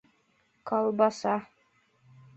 Колбаса